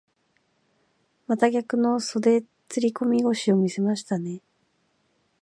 また逆の袖釣り込み腰を見せましたね。